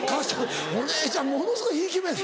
お姉ちゃんものすごいひいき目で。